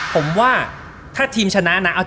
ผมว่าถ้าทีมชนะนะ